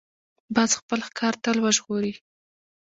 باز خپل ښکار تل وژغوري